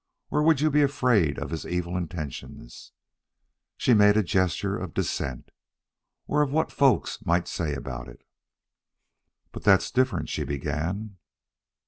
Or would you be afraid of his evil intentions" she made a gesture of dissent " or of what folks might say about it?" "But that's different," she began.